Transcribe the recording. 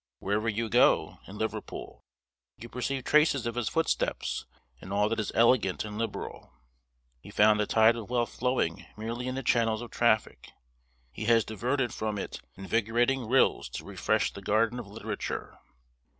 Wherever you go, in Liverpool, you perceive traces of his footsteps in all that is elegant and liberal. He found the tide of wealth flowing merely in the channels of traffic; he has diverted from it invigorating rills to refresh the garden of literature.